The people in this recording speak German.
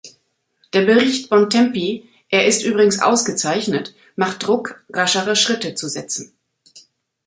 Der Bericht Bontempi er ist übrigens ausgezeichnet macht Druck, raschere Schritte zu setzen.